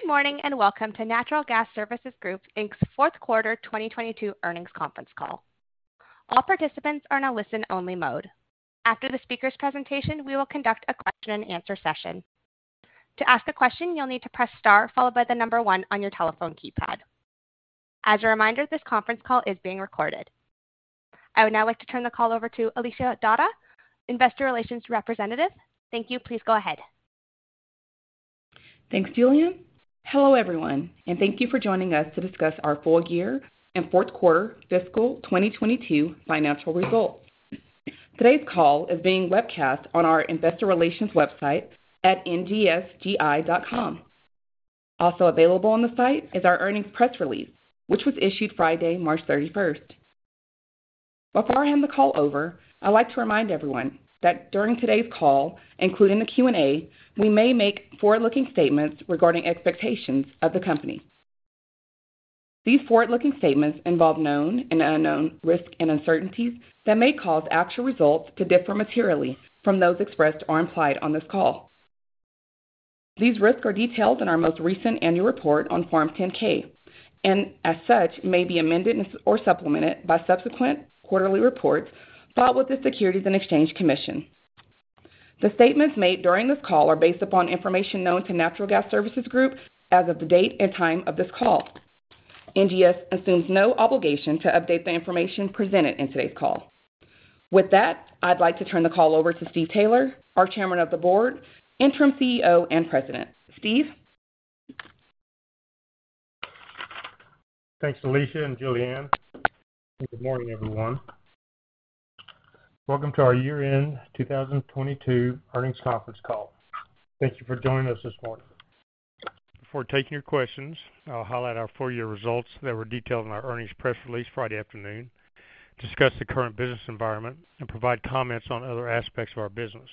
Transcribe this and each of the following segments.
Good morning, and welcome to Natural Gas Services Group, Inc.'s Fourth Quarter 2022 Earnings Conference Call. All participants are in a listen-only mode. After the speaker's presentation, we will conduct a question and answer session. To ask a question, you'll need to press star followed by the number one on your telephone keypad. As a reminder, this conference call is being recorded. I would now like to turn the call over to Alicia Dada, Investor Relations Representative. Thank you. Please go ahead. Thanks, Julianne. Hello, everyone, thank you for joining us to discuss our full year and fourth quarter fiscal 2022 financial results. Today's call is being webcast on our investor relations website at ngsgi.com. Also available on the site is our earnings press release, which was issued Friday, March 31st. Before I hand the call over, I'd like to remind everyone that during today's call, including the Q&A, we may make forward-looking statements regarding expectations of the company. These forward-looking statements involve known and unknown risks and uncertainties that may cause actual results to differ materially from those expressed or implied on this call. These risks are detailed in our most recent annual report on Form 10-K and as such may be amended or supplemented by subsequent quarterly reports filed with the Securities and Exchange Commission. The statements made during this call are based upon information known to Natural Gas Services Group as of the date and time of this call. NGS assumes no obligation to update the information presented in today's call. With that, I'd like to turn the call over to Steve Taylor, our Chairman of the Board, Interim CEO, and President. Steve. Thanks, Alicia and Julianne. Good morning, everyone. Welcome to our Year-End 2022 Earnings Conference Call. Thank you for joining us this morning. Before taking your questions, I'll highlight our full-year results that were detailed in our earnings press release Friday afternoon, discuss the current business environment, and provide comments on other aspects of our business.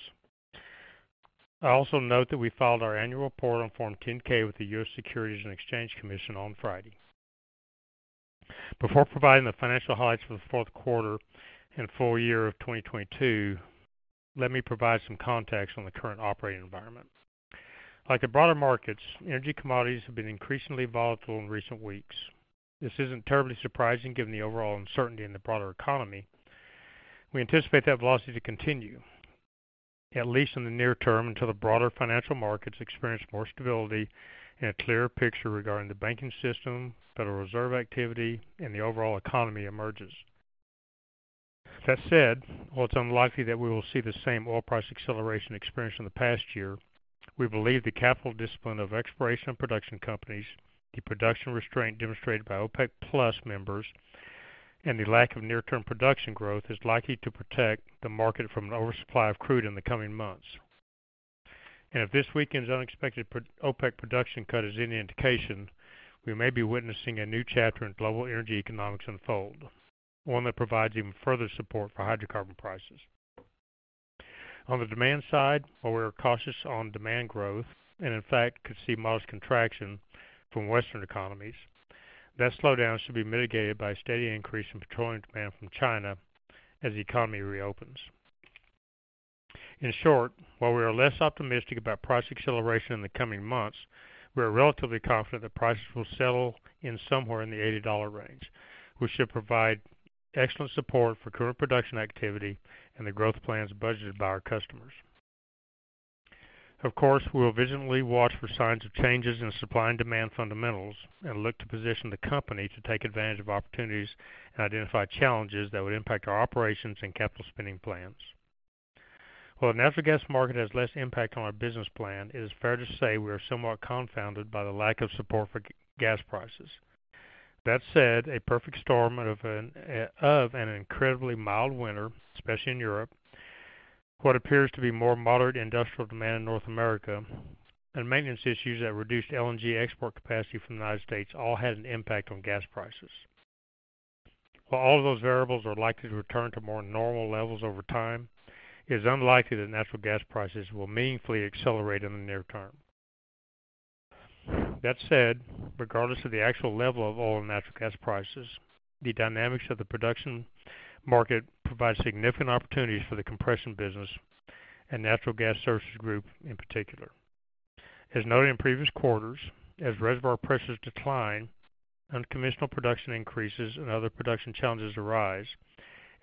I also note that we filed our annual report on Form 10-K with the U.S. Securities and Exchange Commission on Friday. Before providing the financial highlights for the fourth quarter and full year of 2022, let me provide some context on the current operating environment. Like the broader markets, energy commodities have been increasingly volatile in recent weeks. This isn't terribly surprising given the overall uncertainty in the broader economy. We anticipate that velocity to continue, at least in the near term, until the broader financial markets experience more stability and a clearer picture regarding the banking system, Federal Reserve activity, and the overall economy emerges. That said, while it's unlikely that we will see the same oil price acceleration experienced in the past year, we believe the capital discipline of exploration and production companies, the production restraint demonstrated by OPEC+ members, and the lack of near-term production growth is likely to protect the market from an oversupply of crude in the coming months. If this weekend's unexpected OPEC production cut is any indication, we may be witnessing a new chapter in global energy economics unfold, one that provides even further support for hydrocarbon prices. On the demand side, while we are cautious on demand growth and in fact could see modest contraction from Western economies, that slowdown should be mitigated by a steady increase in petroleum demand from China as the economy reopens. In short, while we are less optimistic about price acceleration in the coming months, we are relatively confident that prices will settle in somewhere in the $80 range, which should provide excellent support for current production activity and the growth plans budgeted by our customers. Of course, we will vigilantly watch for signs of changes in supply and demand fundamentals and look to position the company to take advantage of opportunities and identify challenges that would impact our operations and capital spending plans. While the natural gas market has less impact on our business plan, it is fair to say we are somewhat confounded by the lack of support for gas prices. That said, a perfect storm of an incredibly mild winter, especially in Europe, what appears to be more moderate industrial demand in North America, and maintenance issues that reduced LNG export capacity from the United States all had an impact on gas prices. While all of those variables are likely to return to more normal levels over time, it is unlikely that natural gas prices will meaningfully accelerate in the near term. That said, regardless of the actual level of oil and natural gas prices, the dynamics of the production market provide significant opportunities for the compression business and Natural Gas Services Group in particular. As noted in previous quarters, as reservoir pressures decline, unconventional production increases and other production challenges arise.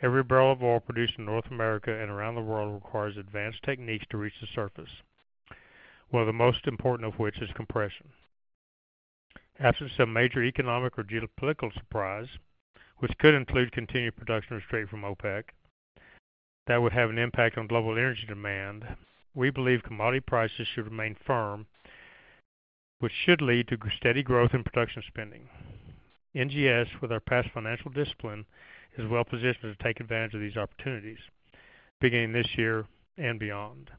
Every barrel of oil produced in North America and around the world requires advanced techniques to reach the surface, one of the most important of which is compression. Absence of major economic or geopolitical surprise, which could include continued production restraint from OPEC that would have an impact on global energy demand, we believe commodity prices should remain firm, which should lead to steady growth in production spending. NGS, with our past financial discipline, is well positioned to take advantage of these opportunities beginning this year and beyond.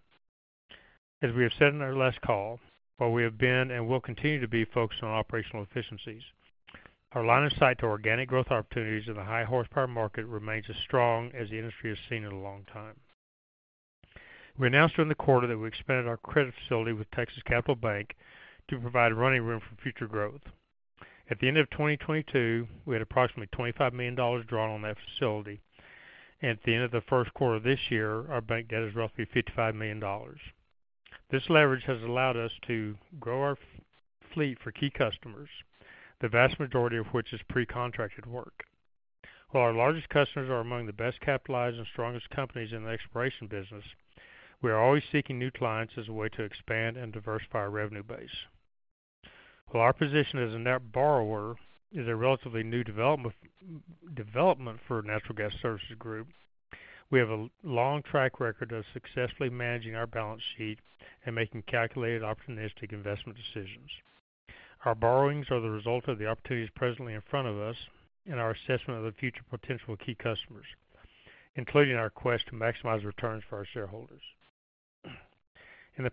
As we have said in our last call, while we have been and will continue to be focused on operational efficiencies, our line of sight to organic growth opportunities in the high horsepower market remains as strong as the industry has seen in a long time. We announced during the quarter that we expanded our credit facility with Texas Capital Bank to provide running room for future growth. At the end of 2022, we had approximately $25 million drawn on that facility. At the end of the first quarter this year, our bank debt is roughly $55 million. This leverage has allowed us to grow our fleet for key customers, the vast majority of which is pre-contracted work. While our largest customers are among the best capitalized and strongest companies in the exploration business, we are always seeking new clients as a way to expand and diversify our revenue base. While our position as a net borrower is a relatively new development for Natural Gas Services Group, we have a long track record of successfully managing our balance sheet and making calculated, opportunistic investment decisions. Our borrowings are the result of the opportunities presently in front of us and our assessment of the future potential of key customers, including our quest to maximize returns for our shareholders. The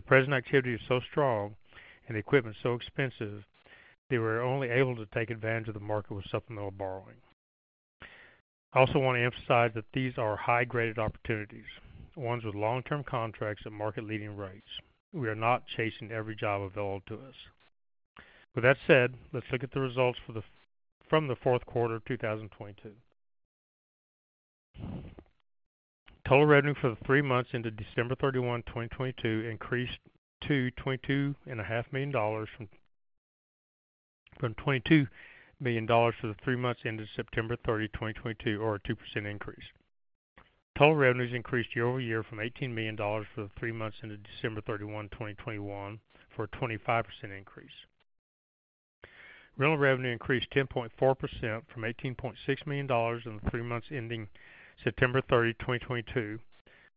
present activity is so strong and equipment so expensive that we're only able to take advantage of the market with supplemental borrowing. I also want to emphasize that these are high-graded opportunities, ones with long-term contracts and market-leading rates. We are not chasing every job available to us. With that said, let's look at the results from the fourth quarter 2022. Total revenue for the three months ended December 31, 2022 increased to $22.5 million from $22 million for the three months ended September 30, 2022, or a 2% increase. Total revenues increased year-over-year from $18 million for the three months ended December 31, 2021 for a 25% increase. Rental revenue increased 10.4% from $18.6 million in the three months ending September 30, 2022,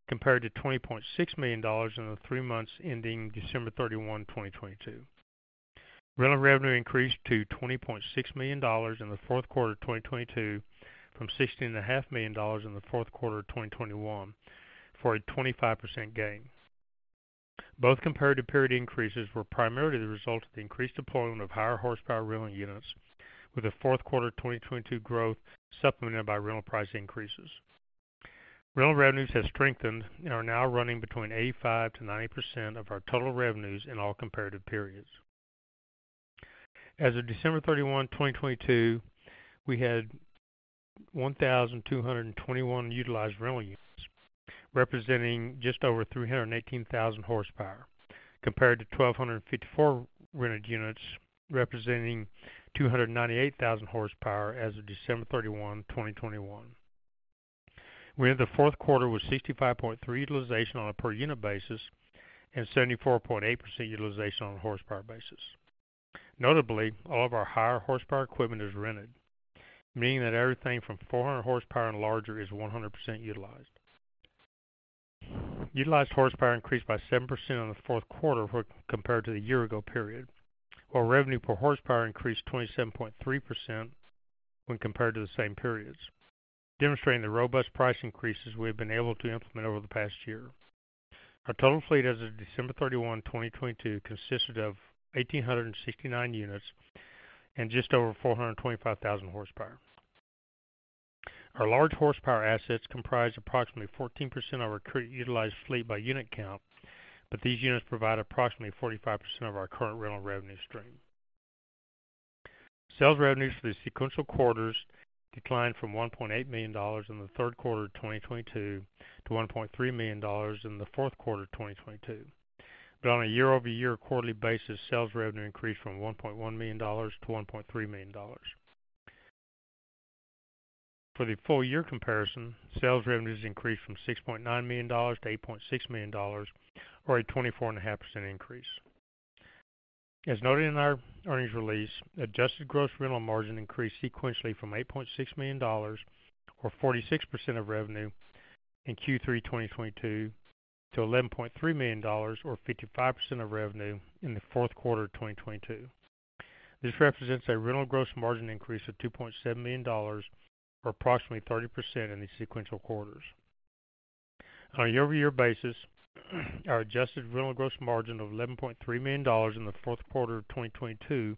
compared to $20.6 million in the three months ending December 31, 2022. Rental revenue increased to $20.6 million in the fourth quarter of 2022 from $16.5 million in the fourth quarter of 2021 for a 25% gain. Both comparative period increases were primarily the result of the increased deployment of higher horsepower drilling units, with the fourth quarter 2022 growth supplemented by rental price increases. Rental revenues have strengthened and are now running between 85%-90% of our total revenues in all comparative periods. As of December 31, 2022, we had 1,221 utilized rental units, representing just over 318,000 horsepower, compared to 1,254 rented units representing 298,000 horsepower as of December 31, 2021. We ended the fourth quarter with 65.3 utilization on a per unit basis and 74.8% utilization on a horsepower basis. Notably, all of our higher horsepower equipment is rented, meaning that everything from 400 horsepower and larger is 100% utilized. Utilized horsepower increased by 7% in the fourth quarter when compared to the year ago period, while revenue per horsepower increased 27.3% when compared to the same periods, demonstrating the robust price increases we have been able to implement over the past year. Our total fleet as of December 31, 2022 consisted of 1,869 units and just over 425,000 horsepower. Our large horsepower assets comprise approximately 14% of our current utilized fleet by unit count, but these units provide approximately 45% of our current rental revenue stream. Sales revenues for the sequential quarters declined from $1.8 million in the third quarter of 2022 to $1.3 million in the fourth quarter of 2022. On a year-over-year quarterly basis, sales revenue increased from $1.1 million to $1.3 million. For the full year comparison, sales revenues increased from $6.9 million to $8.6 million, or a 24.5% increase. As noted in our earnings release, adjusted gross rental margin increased sequentially from $8.6 million or 46% of revenue in Q3 2022 to $11.3 million or 55% of revenue in the fourth quarter 2022. This represents a rental gross margin increase of $2.7 million or approximately 30% in the sequential quarters. On a year-over-year basis, our adjusted rental gross margin of $11.3 million in the fourth quarter of 2022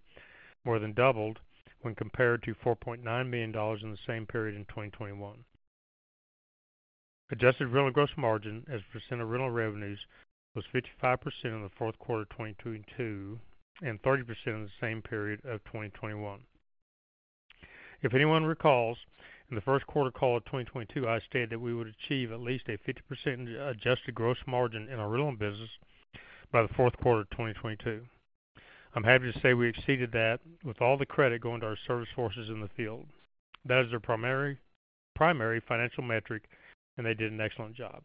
more than doubled when compared to $4.9 million in the same period in 2021. Adjusted rental gross margin as a percent of rental revenues was 55% in the fourth quarter 2022, and 30% in the same period of 2021. If anyone recalls, in the first quarter call of 2022, I stated that we would achieve at least a 50% adjusted gross margin in our rental business by the fourth quarter 2022. I'm happy to say we exceeded that with all the credit going to our service horses in the field. That is their primary financial metric, they did an excellent job.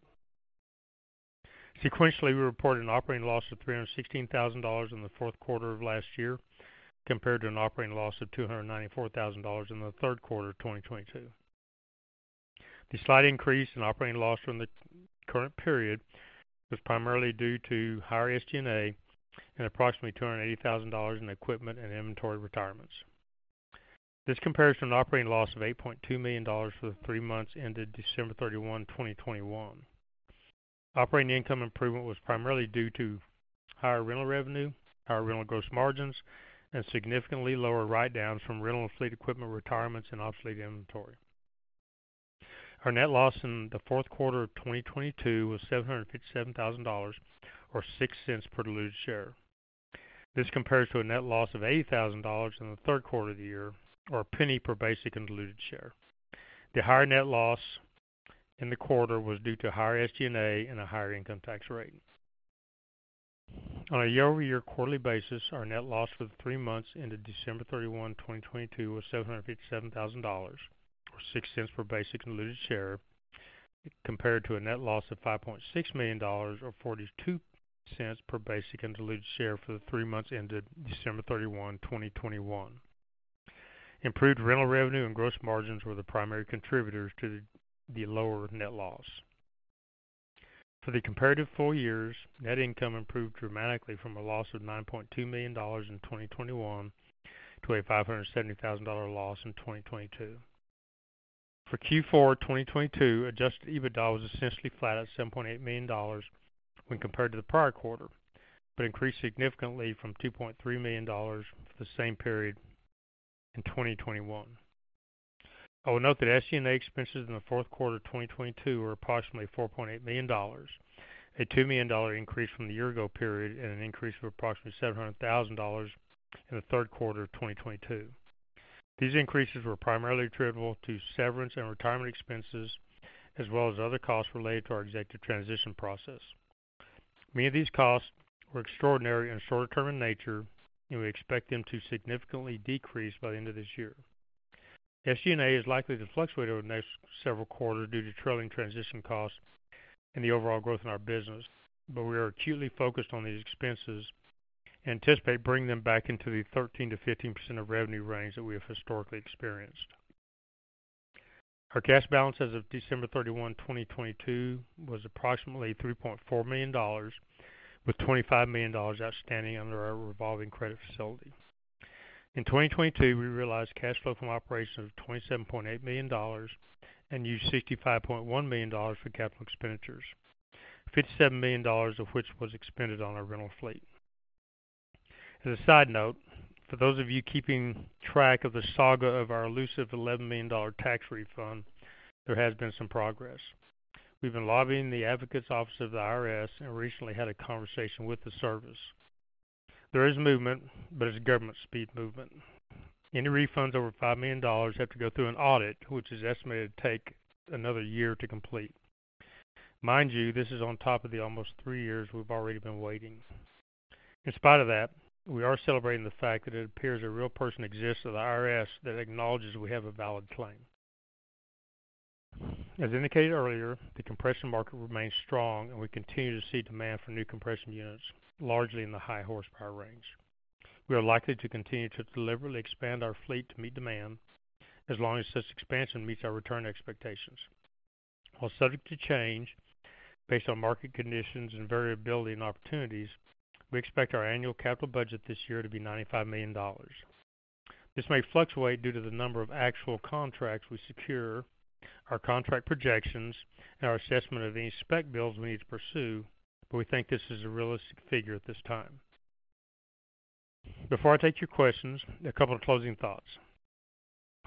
Sequentially, we reported an operating loss of $316,000 in the fourth quarter of last year, compared to an operating loss of $294,000 in the third quarter 2022. The slight increase in operating loss from the current period was primarily due to higher SG&A and approximately $280,000 in equipment and inventory retirements. This compares to an operating loss of $8.2 million for the three months ended December 31, 2021. Operating income improvement was primarily due to higher rental revenue, higher rental gross margins, and significantly lower write-downs from rental fleet equipment retirements and obsolete inventory. Our net loss in the fourth quarter of 2022 was $757,000 or $0.06 per diluted share. This compares to a net loss of $80,000 in the third quarter of the year, or $0.01 per basic and diluted share. The higher net loss in the quarter was due to higher SG&A and a higher income tax rate. On a year-over-year quarterly basis, our net loss for the three months ended December 31, 2022 was $757,000 or $0.06 per basic and diluted share, compared to a net loss of $5.6 million or $0.42 per basic and diluted share for the three months ended December 31, 2021. Improved rental revenue and gross margins were the primary contributors to the lower net loss. For the comparative four years, net income improved dramatically from a loss of $9.2 million in 2021 to a $570,000 loss in 2022. For Q4 2022, Adjusted EBITDA was essentially flat at $7.8 million when compared to the prior quarter, but increased significantly from $2.3 million for the same period in 2021. I would note that SG&A expenses in the fourth quarter of 2022 were approximately $4.8 million, a $2 million increase from the year ago period and an increase of approximately $700,000 in the third quarter of 2022. These increases were primarily attributable to severance and retirement expenses, as well as other costs related to our executive transition process. Many of these costs were extraordinary and short term in nature, we expect them to significantly decrease by the end of this year. SG&A is likely to fluctuate over the next several quarters due to trailing transition costs and the overall growth in our business. We are acutely focused on these expenses and anticipate bringing them back into the 13%-15% of revenue range that we have historically experienced. Our cash balance as of December 31, 2022 was approximately $3.4 million, with $25 million outstanding under our revolving credit facility. In 2022, we realized cash flow from operations of $27.8 million and used $65.1 million for capital expenditures, $57 million of which was expended on our rental fleet. As a side note, for those of you keeping track of the saga of our elusive $11 million tax refund, there has been some progress. We've been lobbying the Advocates Office of the IRS and recently had a conversation with the service. There is movement, but it's government speed movement. Any refunds over $5 million have to go through an audit, which is estimated to take another year to complete. Mind you, this is on top of the almost three years we've already been waiting. In spite of that, we are celebrating the fact that it appears a real person exists at the IRS that acknowledges we have a valid claim. As indicated earlier, the compression market remains strong and we continue to see demand for new compression units, largely in the high horsepower range. We are likely to continue to deliberately expand our fleet to meet demand as long as such expansion meets our return expectations. While subject to change based on market conditions and variability and opportunities, we expect our annual capital budget this year to be $95 million. This may fluctuate due to the number of actual contracts we secure, our contract projections, and our assessment of any spec builds we need to pursue. We think this is a realistic figure at this time. Before I take your questions, a couple of closing thoughts.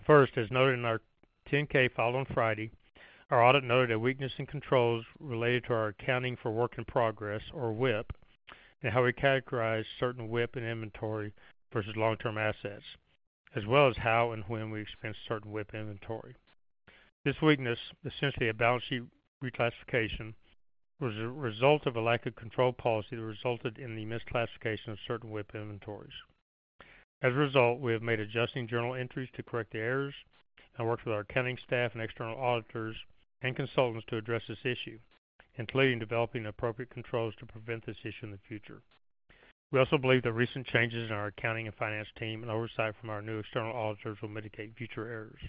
First, as noted in our 10-K filed on Friday, our audit noted a weakness in controls related to our accounting for work in progress or WIP, and how we categorize certain WIP and inventory versus long-term assets, as well as how and when we expense certain WIP inventory. This weakness, essentially a balance sheet reclassification, was a result of a lack of control policy that resulted in the misclassification of certain WIP inventories. We have made adjusting journal entries to correct the errors and worked with our accounting staff and external auditors and consultants to address this issue, including developing the appropriate controls to prevent this issue in the future. We also believe the recent changes in our accounting and finance team and oversight from our new external auditors will mitigate future errors.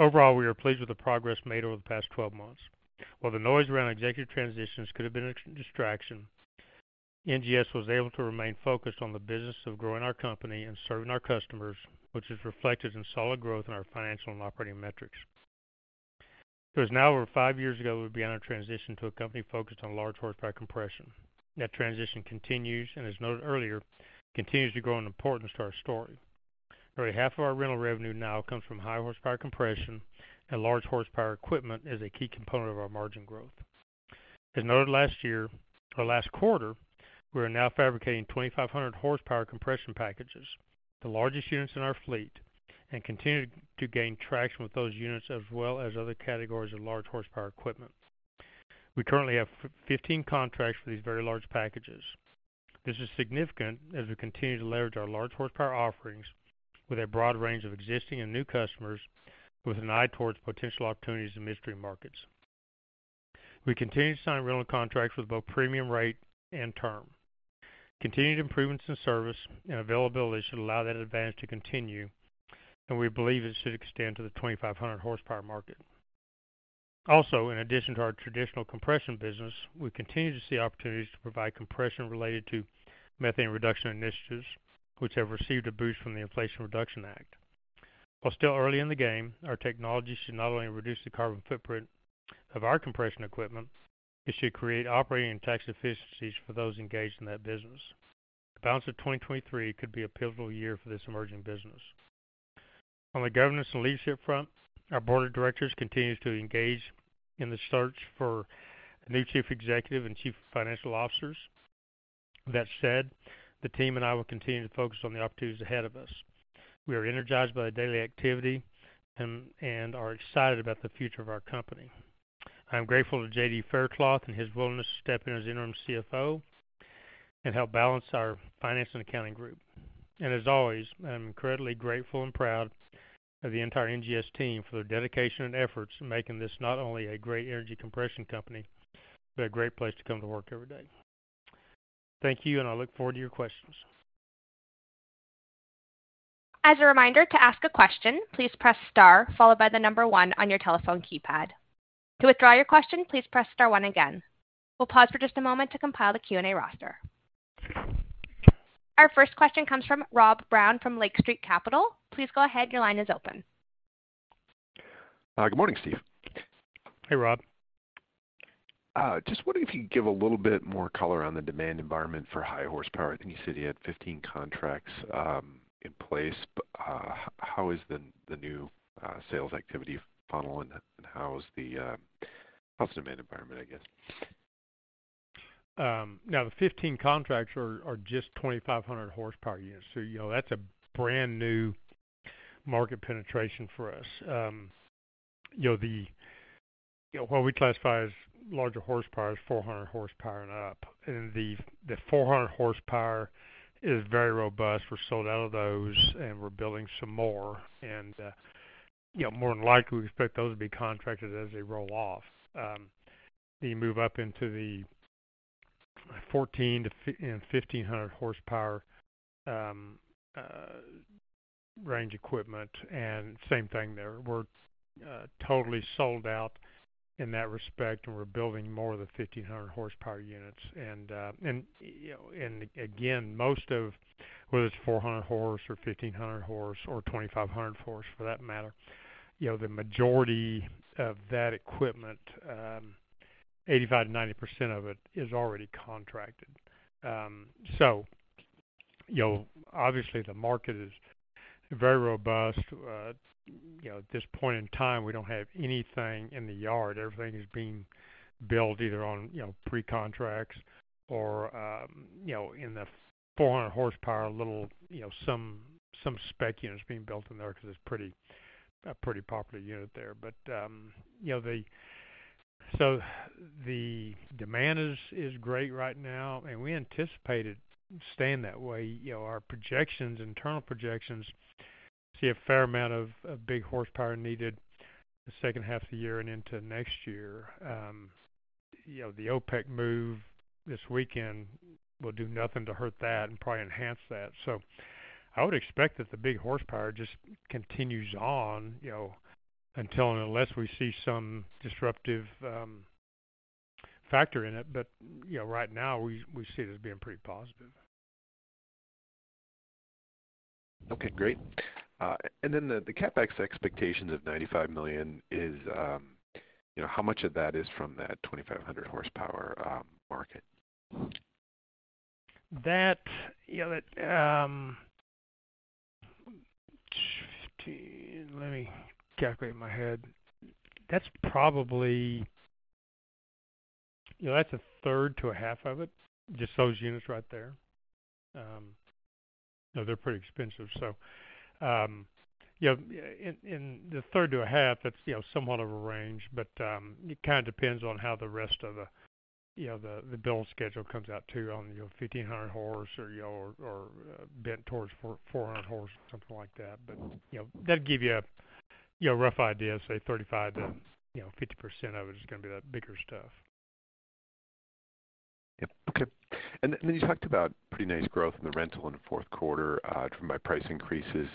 We are pleased with the progress made over the past 12 months. While the noise around executive transitions could have been a distraction, NGS was able to remain focused on the business of growing our company and serving our customers, which is reflected in solid growth in our financial and operating metrics. It was now over five years ago, we began our transition to a company focused on large horsepower compression. That transition continues and as noted earlier, continues to grow in importance to our story. Already half of our rental revenue now comes from high horsepower compression and large horsepower equipment is a key component of our margin growth. As noted last year or last quarter, we are now fabricating 2,500 horsepower compression packages, the largest units in our fleet, and continue to gain traction with those units as well as other categories of large horsepower equipment. We currently have 15 contracts for these very large packages. This is significant as we continue to leverage our large horsepower offerings with a broad range of existing and new customers with an eye towards potential opportunities in midstream markets. We continue to sign rental contracts with both premium rate and term. Continued improvements in service and availability should allow that advantage to continue, and we believe it should extend to the 2,500 horsepower market. In addition to our traditional compression business, we continue to see opportunities to provide compression related to methane reduction initiatives which have received a boost from the Inflation Reduction Act. While still early in the game, our technology should not only reduce the carbon footprint of our compression equipment, it should create operating and tax efficiencies for those engaged in that business. The balance of 2023 could be a pivotal year for this emerging business. On the governance and leadership front, our board of directors continues to engage in the search for new chief executive and chief financial officers. That said, the team and I will continue to focus on the opportunities ahead of us. We are energized by the daily activity and are excited about the future of our company. I'm grateful to J.D. Faircloth and his willingness to step in as interim CFO and help balance our finance and accounting group. As always, I'm incredibly grateful and proud of the entire NGS team for their dedication and efforts in making this not only a great energy compression company, but a great place to come to work every day. Thank you, and I look forward to your questions. As a reminder, to ask a question, please press star followed by one on your telephone keypad. To withdraw your question, please press star one again. We'll pause for just a moment to compile the Q&A roster. Our first question comes from Rob Brown from Lake Street Capital. Please go ahead. Your line is open. Good morning, Steve. Hey, Rob. Just wondering if you could give a little bit more color on the demand environment for high horsepower. I think you said you had 15 contracts in place, but how is the new sales activity funnel and how is the demand environment, I guess? Now the 15 contracts are just 2,500 horsepower units. You know, that's a brand new market penetration for us. You know, the what we classify as larger horsepower is 400 horsepower and up. The 400 horsepower is very robust. We're sold out of those, and we're building some more. You know, more than likely, we expect those to be contracted as they roll off. You move up into the 1,400-1,500 horsepower range equipment and same thing there. We're totally sold out in that respect, and we're building more of the 1,500 horsepower units. You know, and again, most of whether it's 400 horse or 1,500 horsepower or 2,500 horsepower for that matter, you know, the majority of that equipment, 85%-90% of it is already contracted. You know, obviously the market is very robust. You know, at this point in time, we don't have anything in the yard. Everything is being built either on, you know, pre-contracts or, you know, in the 400 horsepower little, you know, some spec units being built in there because it's pretty, a pretty popular unit there. You know, the demand is great right now, and we anticipate it staying that way. You know, our projections, internal projections see a fair amount of big horsepower needed the second half of the year and into next year. You know, the OPEC move this weekend will do nothing to hurt that and probably enhance that. I would expect that the big horsepower just continues on, you know, until and unless we see some disruptive factor in it. You know, right now we see it as being pretty positive. Okay, great. Then the CapEx expectations of $95 million is, you know, how much of that is from that 2,500 horsepower market? That, you know, that. 15. Let me calculate in my head. That's probably, you know, that's a third to a half of it, just those units right there. You know, they're pretty expensive. You know, in the third to a half, that's, you know, somewhat of a range, but, it kind of depends on how the rest of the, you know, the build schedule comes out too on, you know, 1,500 horse or, you know, or bent towards 400 horse, something like that. You know, that'll give you a, you know, rough idea, say 35% to, you know, 50% of it is gonna be that bigger stuff. Yep. Okay. You talked about pretty nice growth in the rental in the fourth quarter, driven by price increases.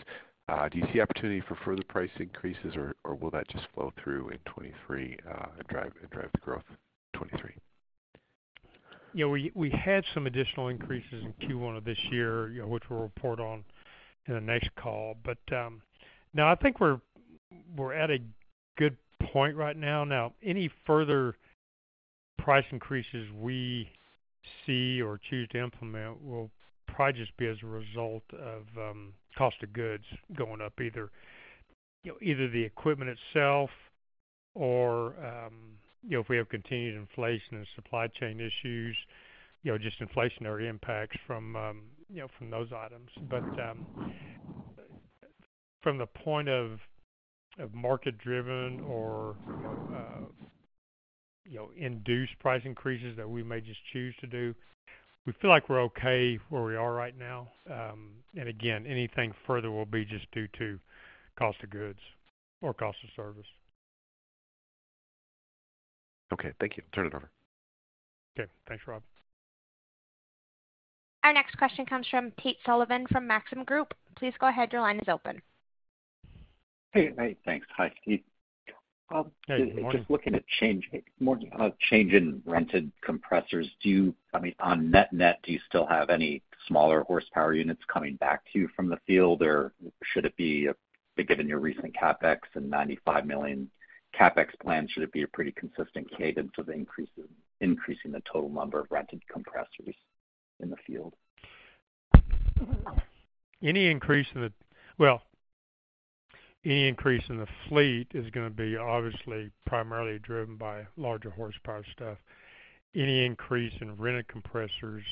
Do you see opportunity for further price increases or will that just flow through in 2023, and drive the growth in 2023? You know, we had some additional increases in Q1 of this year, you know, which we'll report on in the next call. No, I think we're at a good point right now. Any further price increases we see or choose to implement will probably just be as a result of cost of goods going up, either, you know, either the equipment itself or, you know, if we have continued inflation and supply chain issues, you know, just inflationary impacts from those items. From the point of market-driven or, you know, induced price increases that we may just choose to do, we feel like we're okay where we are right now. Again, anything further will be just due to cost of goods or cost of service. Okay. Thank you. Turn it over. Okay. Thanks, Rob. Our next question comes from Tate Sullivan from Maxim Group. Please go ahead. Your line is open. Hey. Hey, thanks. Hi, Steve. Just looking at change, more change in rented compressors. I mean, on net-net, do you still have any smaller horsepower units coming back to you from the field? Should it be, given your recent CapEx and $95 million CapEx plan, a pretty consistent cadence of increasing the total number of rented compressors in the field? Well, any increase in the fleet is going to be obviously primarily driven by larger horsepower stuff. Any increase in rented compressors,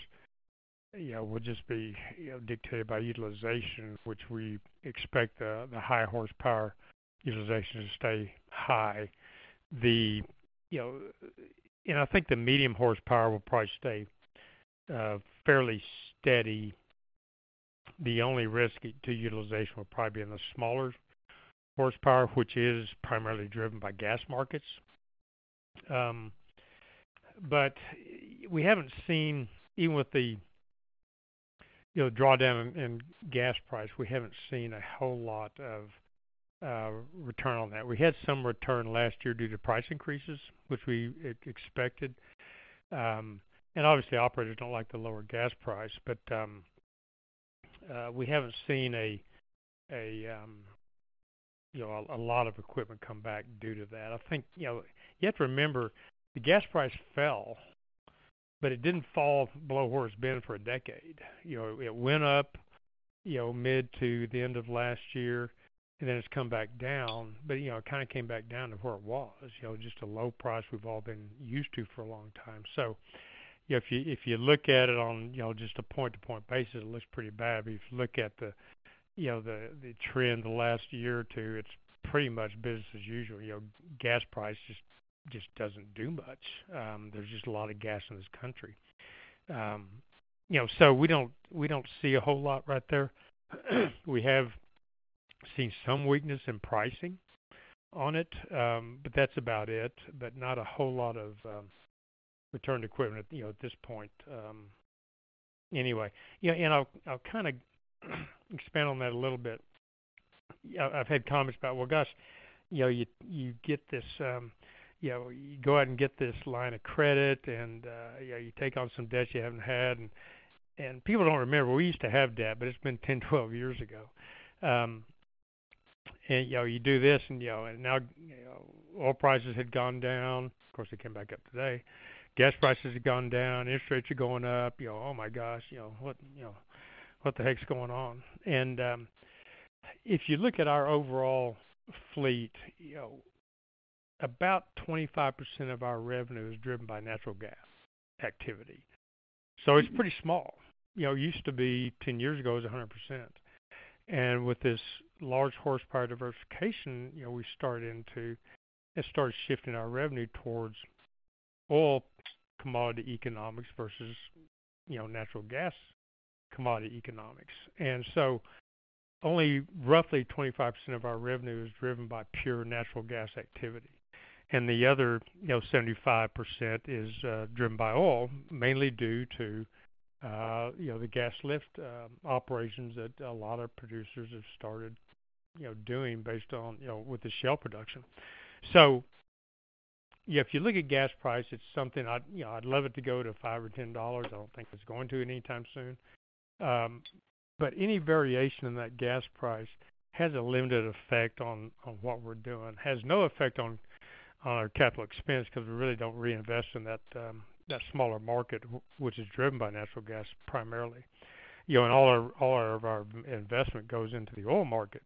you know, would just be, you know, dictated by utilization, which we expect the high horsepower utilization to stay high. The, you know. I think the medium horsepower will probably stay fairly steady. The only risk to utilization will probably be in the smaller horsepower, which is primarily driven by gas markets. We haven't seen even with the, you know, drawdown in gas price, we haven't seen a whole lot of return on that. We had some return last year due to price increases, which we expected. Obviously operators don't like the lower gas price, but we haven't seen a, you know, a lot of equipment come back due to that. I think, you know, you have to remember the gas price fell, but it didn't fall below where it's been for a decade. It went up, you know, mid to the end of last year, then it's come back down. You know, it kinda came back down to where it was, you know, just a low price we've all been used to for a long time. You know, if you look at it on, you know, just a point-to-point basis, it looks pretty bad. If you look at the, you know, the trend the last year or two, it's pretty much business as usual. Gas price just doesn't do much. There's just a lot of gas in this country. You know, we don't see a whole lot right there. We have seen some weakness in pricing on it. That's about it. Not a whole lot of returned equipment, you know, at this point, anyway. You know, and I'll kinda expand on that a little bit. You know, I've had comments about, "Well, gosh, you know, you get this, you know, you go out and get this line of credit and, you know, you take on some debts you haven't had." People don't remember. We used to have debt, but it's been 10, 12 years ago. You know, you do this and, you know, and now, you know, oil prices had gone down. Of course, they came back up today. Gas prices have gone down, interest rates are going up, you know. Oh, my gosh, you know, what, you know, what the heck is going on? If you look at our overall fleet, you know, about 25% of our revenue is driven by natural gas activity, so it's pretty small. You know, it used to be 10 years ago, it was 100%. With this large horsepower diversification, you know, it started shifting our revenue towards oil commodity economics versus, you know, natural gas commodity economics. Only roughly 25% of our revenue is driven by pure natural gas activity. The other, you know, 75% is driven by oil, mainly due to, you know, the gas lift operations that a lot of producers have started, you know, doing based on, you know, with the shale production. Yeah, if you look at gas price, it's something I'd, you know, I'd love it to go to $5 or $10. I don't think it's going to anytime soon. Any variation in that gas price has a limited effect on what we're doing. Has no effect on our capital expense because we really don't reinvest in that smaller market, which is driven by natural gas primarily. You know, all our investment goes into the oil market.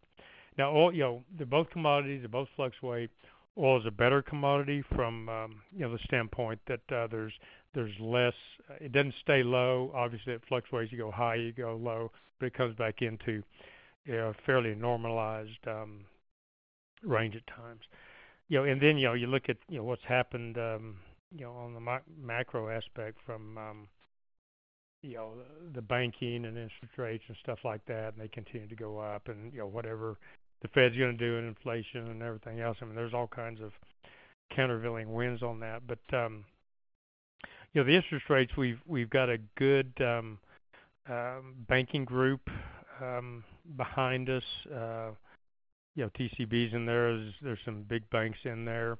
Oil, you know, they're both commodities. They both fluctuate. Oil is a better commodity from, you know, the standpoint that there's less... It doesn't stay low. Obviously, it fluctuates. You go high, you go low, but it comes back into, you know, a fairly normalized range at times. You know, you look at, you know, what's happened, you know, on the macro aspect from, you know, the banking and interest rates and stuff like that, and they continue to go up and, you know, whatever the Fed's gonna do, and inflation and everything else. I mean, there's all kinds of countervailing winds on that. You know, the interest rates, we've got a good banking group behind us. You know, TCB is in there. There's some big banks in there.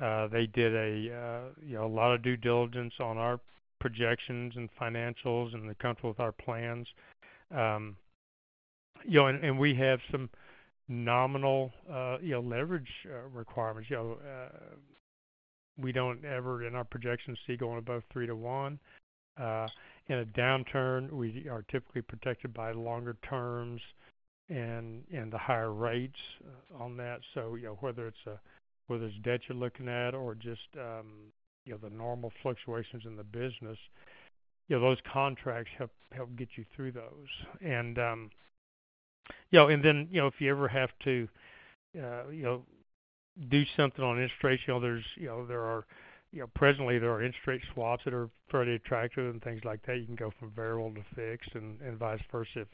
They did a, you know, a lot of due diligence on our projections and financials, and they're comfortable with our plans. You know, and we have some nominal, you know, leverage requirements. You know, we don't ever, in our projections, see going above three to one. In a downturn, we are typically protected by longer terms and the higher rates on that. You know, whether it's, whether it's debt you're looking at or just, you know, the normal fluctuations in the business, you know, those contracts help get you through those. You know, and then, you know, if you ever have to, you know, do something on interest rates, you know, there's, you know, there are. You know, presently there are interest rate swaps that are pretty attractive and things like that. You can go from variable to fixed and vice versa if,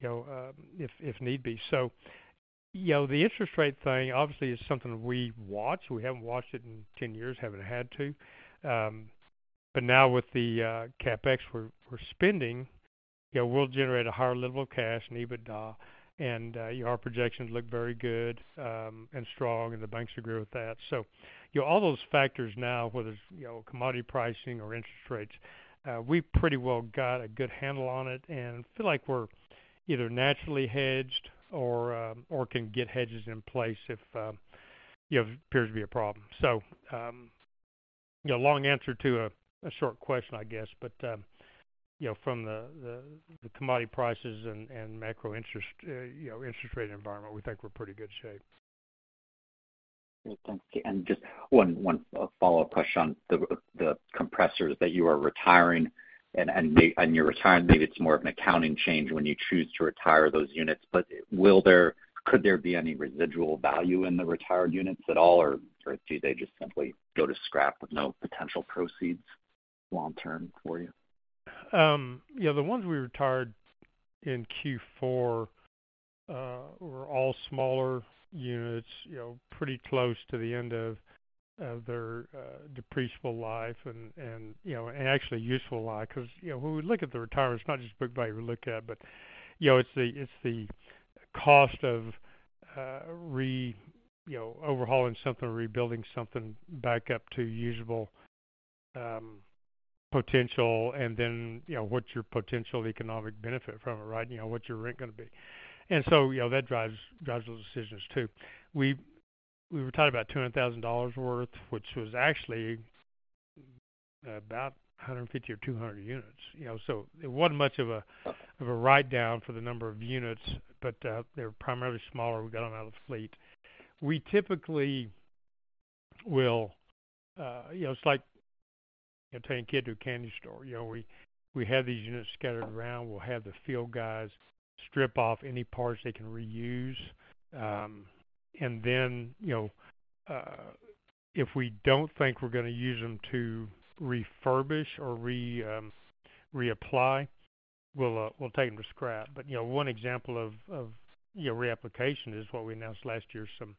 you know, if need be. You know, the interest rate thing obviously is something we watch. We haven't watched it in 10 years. Haven't had to. Now with the CapEx we're spending. Yeah, we'll generate a higher level of cash and EBITDA, and our projections look very good and strong, and the banks agree with that. All those factors now, whether it's, you know, commodity pricing or interest rates, we pretty well got a good handle on it and feel like we're either naturally hedged or can get hedges in place if, you know, appears to be a problem. Long answer to a short question, I guess. You know, from the commodity prices and macro interest, you know, interest rate environment, we think we're in pretty good shape. Okay. Just one follow-up question on the compressors that you are retiring, and your retirement, maybe it's more of an accounting change when you choose to retire those units, but could there be any residual value in the retired units at all or do they just simply go to scrap with no potential proceeds long term for you? Yeah, the ones we retired in Q4 were all smaller units, you know, pretty close to the end of their depreciable life and, you know, actually useful life. Because, you know, when we look at the retirement, it's not just book value we look at, but, you know, it's the cost of, you know, overhauling something or rebuilding something back up to usable potential, and then, you know, what's your potential economic benefit from it, right? You know, what's your rent going to be? You know, that drives those decisions too. We retired about $200,000 worth, which was actually about 150 or 200 units, you know. It wasn't much of a write down for the number of units, but they're primarily smaller. We got them out of fleet. We typically will, you know, it's like taking a kid to a candy store. You know, we have these units scattered around. We'll have the field guys strip off any parts they can reuse. If we don't think we're going to use them to refurbish or reapply, we'll take them to scrap. You know, one example of, you know, reapplication is what we announced last year, some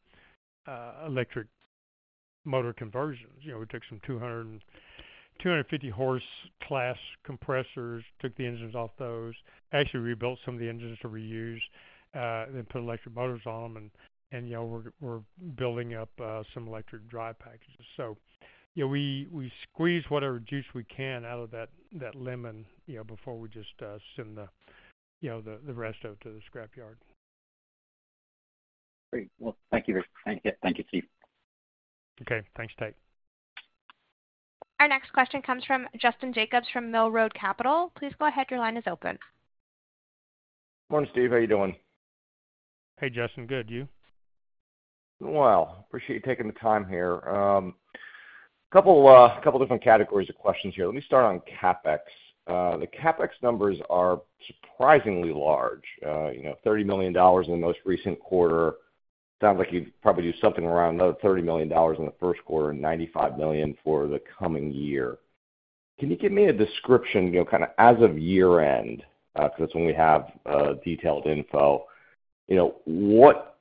electric motor conversions. You know, we took some 250 horse class compressors, took the engines off those, actually rebuilt some of the engines to reuse, then put electric motors on them. You know, we're building up some electric drive packages so, we squeeze whatever juice we can out of that lemon, you know, before we just send the, you know, the rest out to the scrapyard. Great. Well, thank you. Thank you, Steve. Okay, Thanks, Tate. Our next question comes from Justin Jacobs from Mill Road Capital. Please go ahead. Your line is open. Morning, Steve. How you doing? Hey, Justin. Good. You? Well, appreciate you taking the time here. couple different categories of questions here. Let me start on CapEx. The CapEx numbers are surprisingly large, you know, $30 million in the most recent quarter. Sounds like you've probably do something around another $30 million in the first quarter, $95 million for the coming year. Can you give me a description, you know, kinda as of year-end? 'cause that's when we have, detailed info.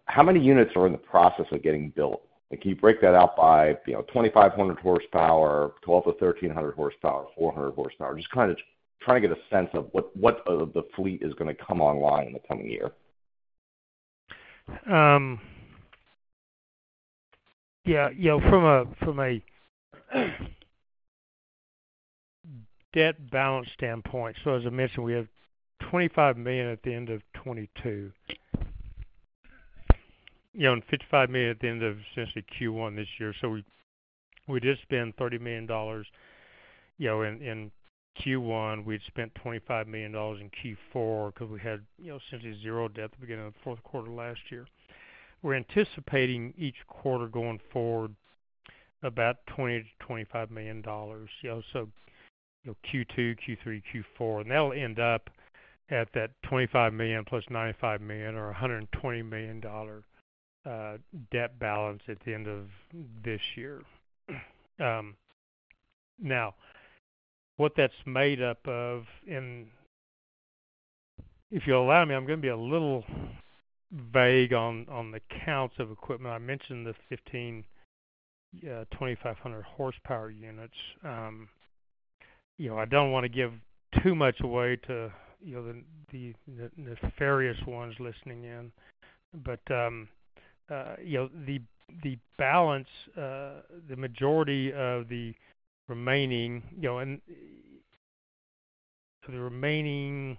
How many units are in the process of getting built? Like, can you break that out by, you know, 2,500 horsepower, 1,200-1,300 horsepower, 400 horsepower. Just kinda trying to get a sense of what of the fleet is gonna come online in the coming year. Yeah, you know, from a debt balance standpoint, as I mentioned, we have $25 million at the end of 2022. You know, $55 million at the end of essentially Q1 this year. We did spend $30 million, you know, in Q1. We'd spent $25 million in Q4 because we had, you know, essentially zero debt at the beginning of the fourth quarter last year. We're anticipating each quarter going forward about $20 million-$25 million. You know, Q2, Q3, Q4. That'll end up at that $25 million+ $95 million or a $120 million debt balance at the end of this year. Now, what that's made up of and if you'll allow me, I'm going to be a little vague on the counts of equipment. I mentioned the 15, 2,500 horsepower units. You know, I don't wanna give too much away to, you know, the, the nefarious ones listening in. You know, the balance, the majority of the remaining, you know, and the remaining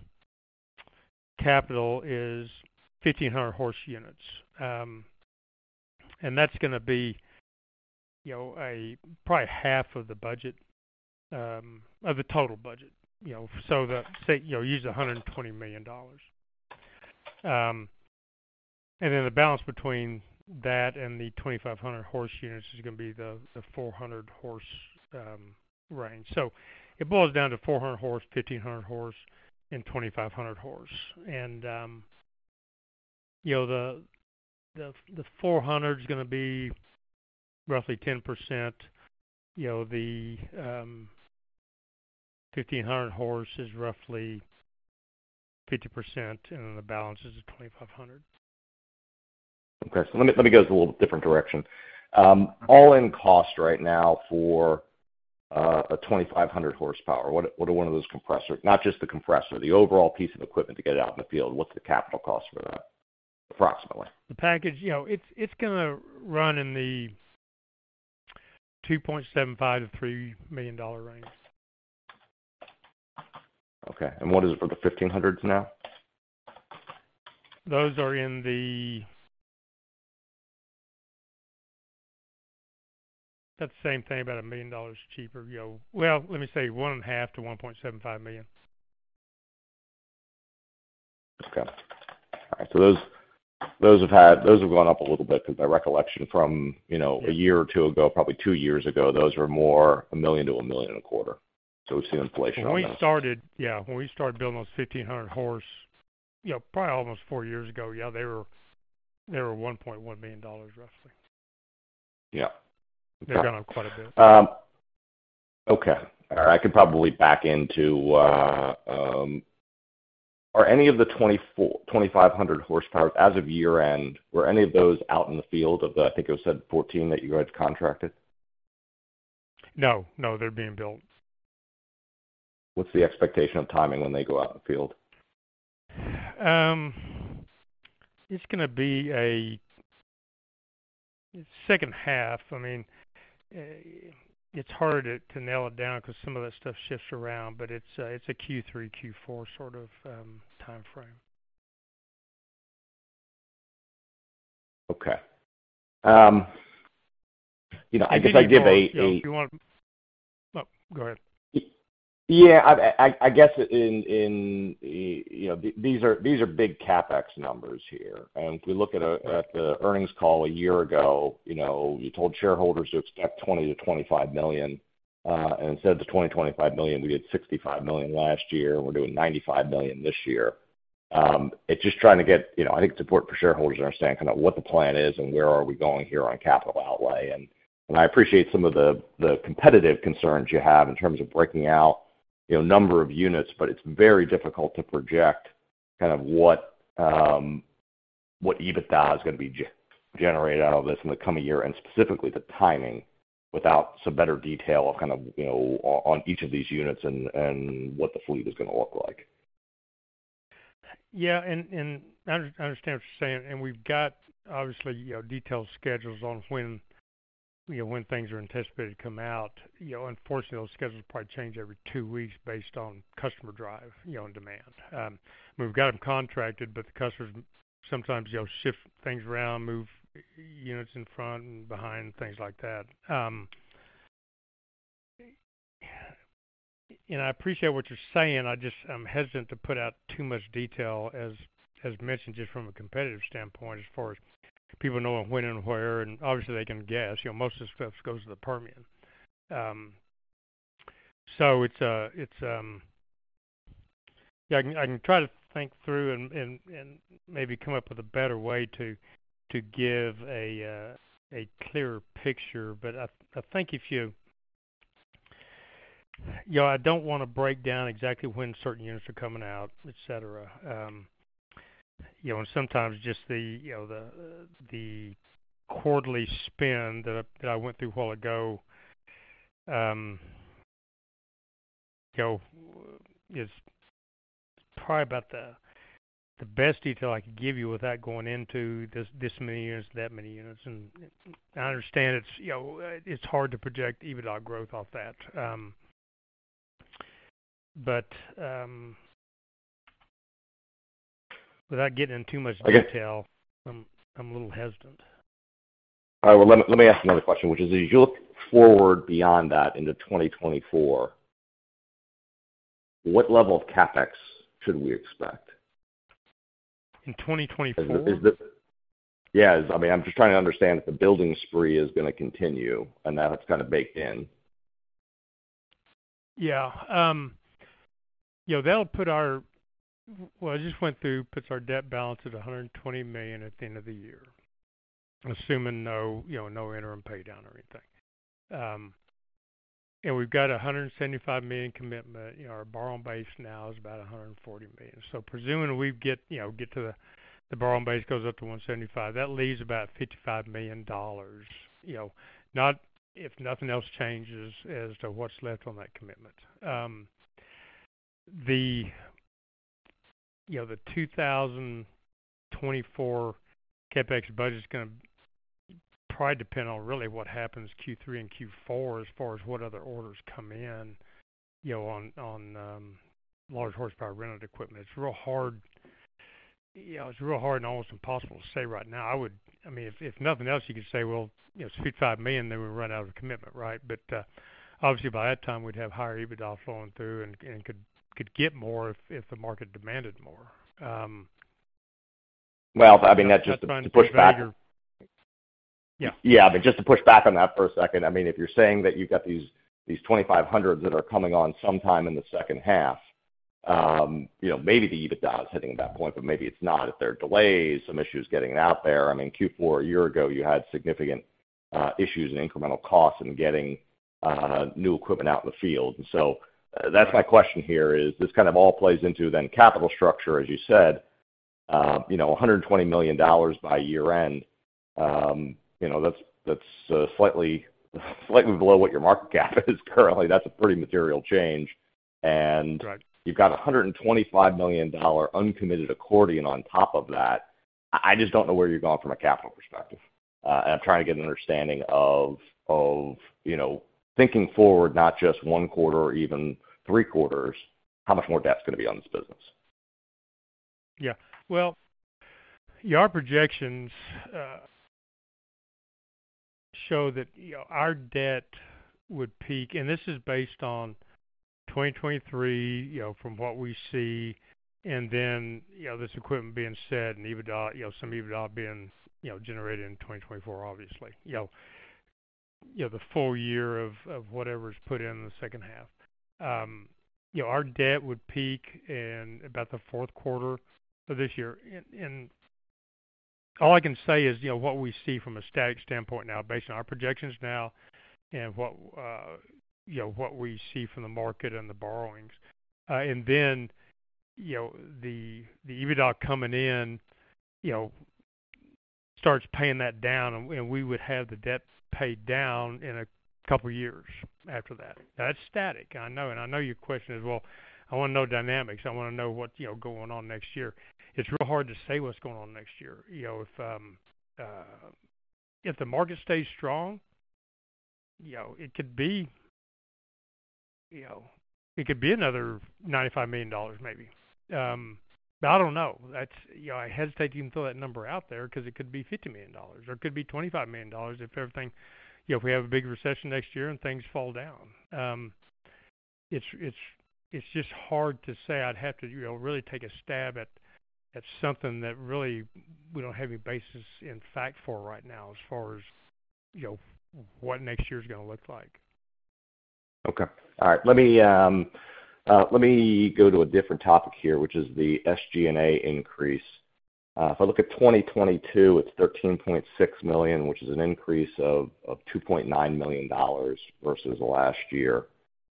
capital is 1,500 horse units. That's gonna be, you know, a probably half of the budget, of the total budget, you know. Say, you know, use $120 million. Then the balance between that and the 2,500 horse units is gonna be the 400 horse, range. It boils down to 400 horse, 1,500 horse, and 2,500 horse. You know, the, the 400's gonna be roughly 10%. You know, the 1,500 horse is roughly 50%, and then the balance is at 2,500. Let me go a little different direction. All in cost right now for a 2,500 horsepower. What are one of those compressors? Not just the compressor, the overall piece of equipment to get it out in the field. What's the capital cost for that approximately? The package, you know, it's gonna run in the $2.75 million-$3 million range. Okay. What is it for the $1,500 now? That's the same thing. About $1 million cheaper, you know. Well, let me say $1.5 million to $1.75 million. Okay. All right. Those have gone up a little bit, 'cause my recollection from, you know, a year or two ago, probably two years ago, those were more a million to a million and a quarter. We've seen inflation on this. When we started building those 1,500 horse, you know, probably almost 4 years ago, yeah, they were $1.1 million, roughly. Yeah. Okay. They've gone up quite a bit. Okay. All right. I could probably back into. Are any of the 2,400, 2,500 horsepowers as of year-end, were any of those out in the field of the, I think it was said 14 that you guys contracted? No, no, they're being built. What's the expectation of timing when they go out in the field? It's gonna be a second half. I mean, it's hard to nail it down 'cause some of that stuff shifts around, but it's a Q3, Q4 sort of, timeframe. Okay. you know, I guess I give a. Yeah. If you want... Oh, go ahead. Yeah. I guess in, you know, these are big CapEx numbers here. If we look at the earnings call a year ago, you know, you told shareholders to expect $20 million-$25 million. Instead of the $20 million-$25 million, we did $65 million last year. We're doing $95 million this year. It's just trying to get, you know, I think support for shareholders in understanding kind of what the plan is and where are we going here on capital outlay. I appreciate some of the competitive concerns you have in terms of breaking out, you know, number of units, but it's very difficult to project kind of what EBITDA is gonna be generated out of this in the coming year and specifically the timing without some better detail of kind of, you know, on each of these units and what the fleet is gonna look like. Yeah. I understand what you're saying. We've got obviously, you know, detailed schedules on when, you know, when things are anticipated to come out. You know, unfortunately, those schedules probably change every two weeks based on customer drive, you know, and demand. We've got them contracted, but the customers sometimes, you know, shift things around, move units in front and behind, things like that. I appreciate what you're saying. I just, I'm hesitant to put out too much detail as mentioned, just from a competitive standpoint as far as people knowing when and where, and obviously they can guess. You know, most of the stuff goes to the Permian. It's. Yeah, I can try to think through and maybe come up with a better way to give a clearer picture. I think, you know, I don't wanna break down exactly when certain units are coming out, et cetera. You know, sometimes just the, you know, the quarterly spend that I went through a while ago, you know, is probably about the best detail I could give you without going into this many units, that many units. I understand it's, you know, it's hard to project EBITDA growth off that. Without getting in too much detail. I get- I'm a little hesitant. All right. Well, let me ask another question, which is, as you look forward beyond that into 2024, what level of CapEx should we expect? In 2024? Yeah. I mean, I'm just trying to understand if the building spree is gonna continue and that it's kinda baked in? Yeah. What I just went through puts our debt balance at $120 million at the end of the year, assuming no, you know, no interim pay down or anything. We've got a $175 million commitment. You know, our borrowing base now is about $140 million. Presuming we get, you know, the borrowing base goes up to $175 million, that leaves about $55 million, you know, if nothing else changes as to what's left on that commitment. You know, the 2024 CapEx budget is going to probably depend on really what happens Q3 and Q4 as far as what other orders come in, you know, on large horsepower rented equipment. It's real hard. You know, it's real hard and almost impossible to say right now. I mean, if nothing else, you could say, "Well, you know, $55 million, then we run out of commitment," right? Obviously by that time we'd have higher EBITDA flowing through and could get more if the market demanded more. Well, I mean, that's just to push back. Yeah. Yeah. Just to push back on that for a second, I mean, if you're saying that you've got these 2,500s that are coming on sometime in the second half, you know, maybe the EBITDA is hitting at that point, but maybe it's not. If there are delays, some issues getting it out there. I mean, Q4 a year ago, you had significant issues and incremental costs in getting new equipment out in the field. That's my question here is this kind of all plays into then capital structure, as you said. You know, $120 million by year-end, you know, that's slightly below what your market cap is currently. That's a pretty material change. Right. -you've got $125 million uncommitted accordion on top of that. I just don't know where you're going from a capital perspective. I'm trying to get an understanding of, you know, thinking forward, not just one quarter or even three quarters, how much more debt is gonna be on this business. Yeah. Well, yeah, our projections show that, you know, our debt would peak. This is based on 2023, you know, from what we see, and then, you know, this equipment being set and EBITDA, you know, some EBITDA being, you know, generated in 2024, obviously. You know, the full year of whatever is put in the second half. You know, our debt would peak in about the fourth quarter of this year. All I can say is, you know, what we see from a static standpoint now, based on our projections now and what, you know, what we see from the market and the borrowings. Then, you know, the EBITDA coming in, you know, starts paying that down, and we would have the debt paid down in a couple of years after that. That's static. I know. I know your question is, well, I wanna know dynamics. I wanna know what, you know, going on next year. It's real hard to say what's going on next year. You know, if the market stays strong, you know, it could be, you know, it could be another $95 million maybe. I don't know. You know, I hesitate to even throw that number out there 'cause it could be $50 million or it could be $25 million if everything, you know, if we have a big recession next year and things fall down. It's just hard to say. I'd have to, you know, really take a stab at something that really we don't have any basis in fact for right now as far as, you know, what next year is gonna look like. Okay. All right. Let me go to a different topic here, which is the SG&A increase. If I look at 2022, it's $13.6 million, which is an increase of $2.9 million versus last year.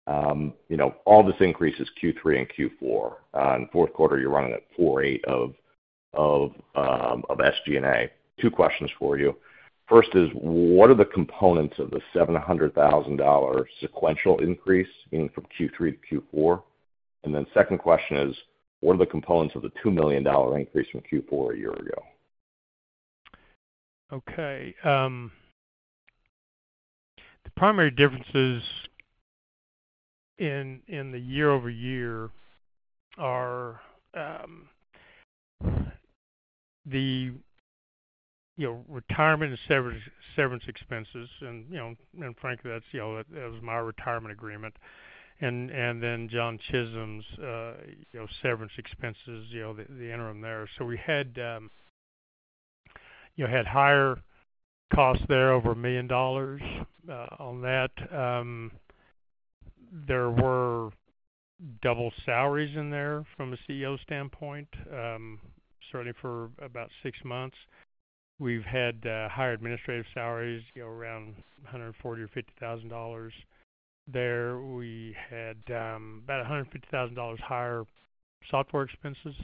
You know, all this increase is Q3 and Q4. In fourth quarter, you're running at $4.8 of SG&A. Two questions for you. First is, what are the components of the $700,000 sequential increase, meaning from Q3 to Q4? Second question is, what are the components of the $2 million increase from Q4 a year ago? Okay. The primary differences in year-over-year are the retirement and severance expenses. Frankly, that's that was my retirement agreement. John Chisholm's severance expenses, the interim there. We had higher costs there, over $1 million on that. There were double salaries in there from a CEO standpoint, certainly for about six months. We've had higher administrative salaries, around $140,000 or $150,000 there. We had about $150,000 higher software expenses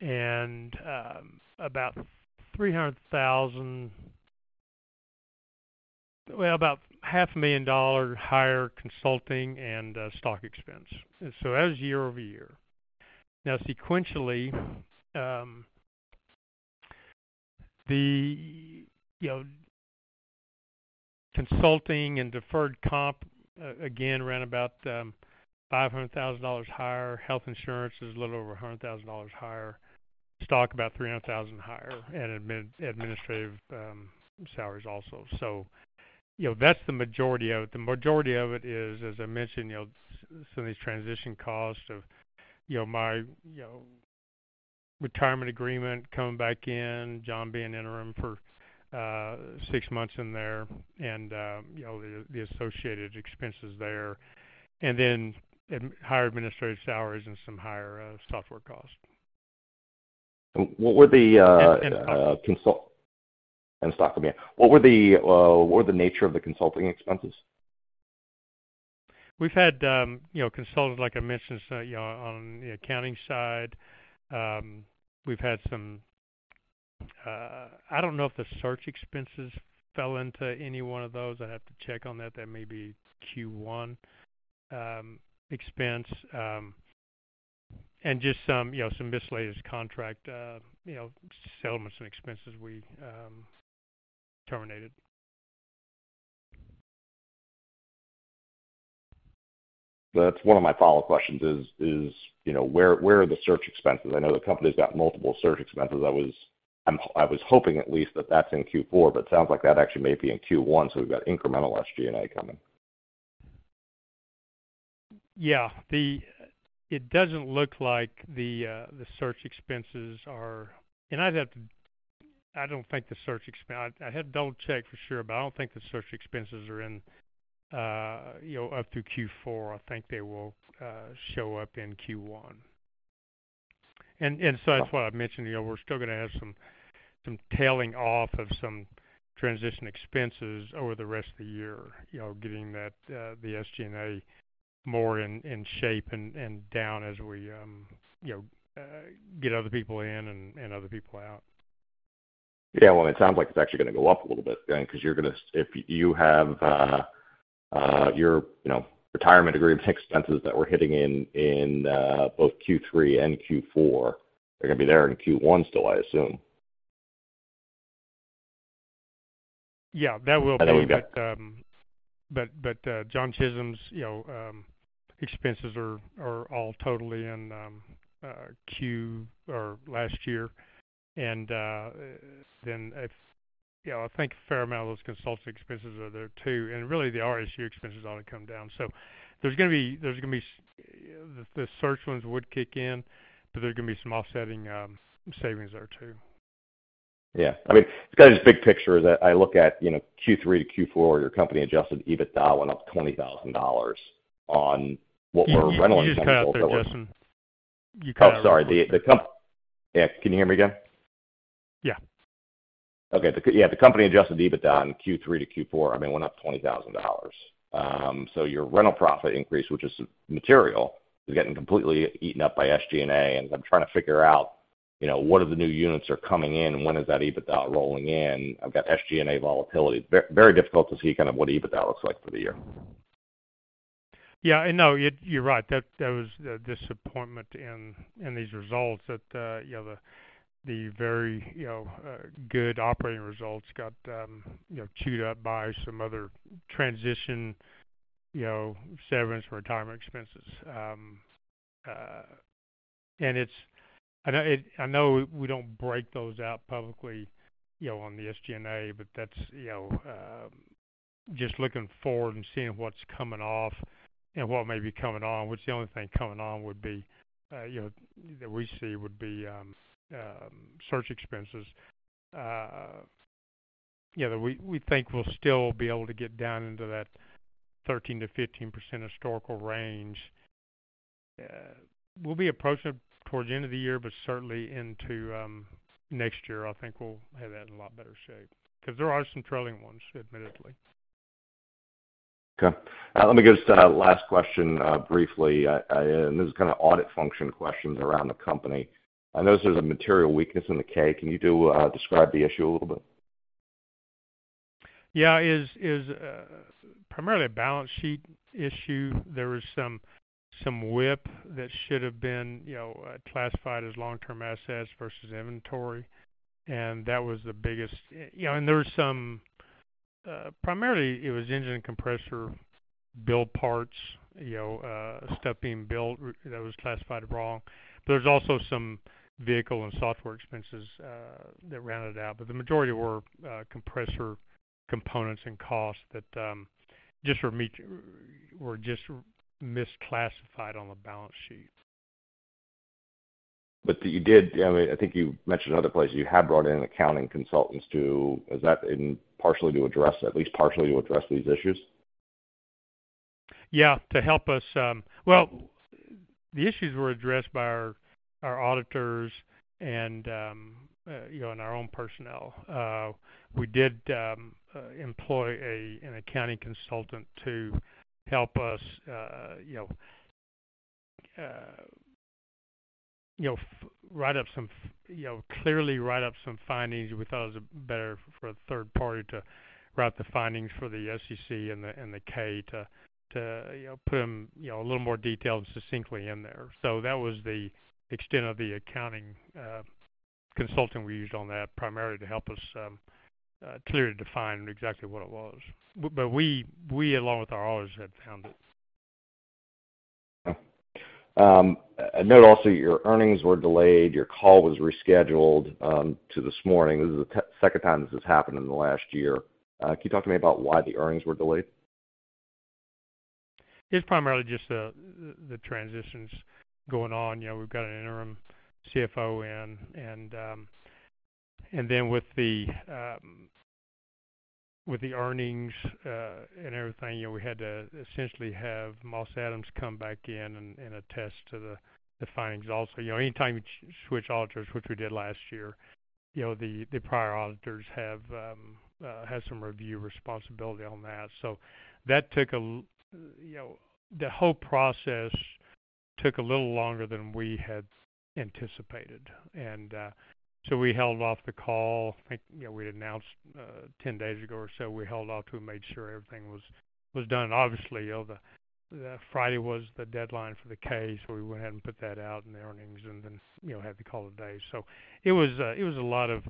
and about $0.5 million higher consulting and stock expense. That was year-over-year. Sequentially, you know, consulting and deferred comp ran about $500,000 higher. Health insurance is a little over $100,000 higher. Stock about $300,000 higher. Administrative salaries also. You know, that's the majority of it. The majority of it is, as I mentioned, you know, some of these transition costs of, you know, my, you know, retirement agreement coming back in, John being interim for six months in there, you know, the associated expenses there, and then higher administrative salaries and some higher software costs. What were the? And, uh- What were the, what were the nature of the consulting expenses? We've had, you know, consultants, like I mentioned, you know, on the accounting side. We've had some. I don't know if the search expenses fell into any one of those. I'd have to check on that. That may be Q1 expense. Just some, you know, some miscellaneous contract, you know, settlements and expenses we terminated. That's one of my follow-up questions is, you know, where are the search expenses? I know the company's got multiple search expenses. I was hoping at least that that's in Q4, but it sounds like that actually may be in Q1. We've got incremental SG&A coming. Yeah. It doesn't look like the search expenses are. I have double-checked for sure, but I don't think the search expenses are in, you know, up through Q4. I think they will show up in Q1. That's why I mentioned, you know, we're still gonna have some tailing off of some transition expenses over the rest of the year, you know, getting that the SG&A more in shape and down as we, you know, get other people in and other people out. Yeah. Well, it sounds like it's actually gonna go up a little bit then because you're gonna if you have, your, you know, retirement agreement expenses that we're hitting in, both Q3 and Q4, they're gonna be there in Q1 still, I assume. Yeah, that will be. I know we. John Chisholm's, you know, expenses are all totally in Q or last year. You know, I think a fair amount of those consulting expenses are there too, and really the RSU expenses ought to come down. There's gonna be The search ones would kick in, but there's gonna be some offsetting savings there too. Yeah. I mean, it's kind of this big picture is that I look at, you know, Q3 to Q4, your company-adjusted EBITDA went up $20,000 on what were rental expenses- You just kind of adjusted. You kind of. Oh, sorry. Yeah. Can you hear me again? Yeah. Okay. The company-Adjusted EBITDA in Q3 to Q4, I mean, went up $20,000. Your rental profit increase, which is material, is getting completely eaten up by SG&A, and I'm trying to figure out, you know, what are the new units are coming in and when is that EBITDA rolling in? I've got SG&A volatility. Very difficult to see kind of what EBITDA looks like for the year. Yeah, I know. You're right. That was the disappointment in these results that, you know, the very, you know, good operating results got, you know, chewed up by some other transition, you know, severance retirement expenses. I know we don't break those out publicly, you know, on the SG&A, but that's, you know, just looking forward and seeing what's coming off and what may be coming on. What's the only thing coming on would be, you know, that we see would be search expenses. You know, we think we'll still be able to get down into that 13%-15% historical range. We'll be approaching towards the end of the year, but certainly into next year, I think we'll have that in a lot better shape 'cause there are some trailing ones, admittedly. Okay. Let me get just a last question, briefly. This is kind of audit function questions around the company. I noticed there's a material weakness in the K. Can you describe the issue a little bit? Yeah. It's primarily a balance sheet issue. There was some WIP that should have been, you know, classified as long-term assets versus inventory. That was the biggest. You know, there was some, primarily it was engine and compressor build parts, you know, stuff being built that was classified wrong. There's also some vehicle and software expenses that rounded out, the majority were compressor components and costs that just were just misclassified on the balance sheet. you did... I mean, I think you mentioned other places you have brought in accounting consultants to... Is that in partially to address, at least partially to address these issues? Yeah, to help us. Well, the issues were addressed by our auditors and, you know, and our own personnel. We did employ an accounting consultant to help us, you know, write up some findings. We thought it was better for a third party to write the findings for the SEC and the K to, you know, put 'em, you know, a little more detailed succinctly in there. That was the extent of the accounting consultant we used on that, primarily to help us clearly define exactly what it was. But we, along with our auditors, had found it. I note also your earnings were delayed, your call was rescheduled to this morning. This is the second time this has happened in the last year. Can you talk to me about why the earnings were delayed? It's primarily just the transitions going on. You know, we've got an interim CFO in, and then with the earnings and everything, you know, we had to essentially have Moss Adams come back in and attest to the findings. Also, you know, anytime you switch auditors, which we did last year, you know, the prior auditors have had some review responsibility on that. That took a little longer than we had anticipated. We held off the call. I think, you know, we had announced 10 days ago or so, we held off to make sure everything was done. Obviously, you know, the Friday was the deadline for the case. We went ahead and put that out in the earnings and then, you know, had to call it a day. It was a lot of